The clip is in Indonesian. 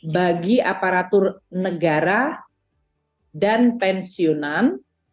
bagi aparatur negara dan pensiunan